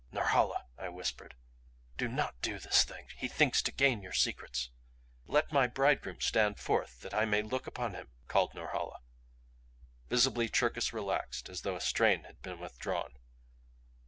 "Norhala," I whispered, "do not do this thing. He thinks to gain your secrets." "Let my bridegroom stand forth that I may look upon him," called Norhala. Visibly Cherkis relaxed, as though a strain had been withdrawn.